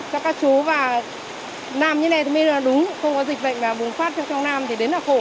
cho các chú và nam như này thì mình là đúng không có dịch bệnh mà bùng phát cho trong nam thì đến là khổ